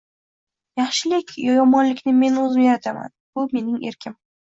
Yaxshilik yo yomonlikni men o`zim yarataman, bu mening erkim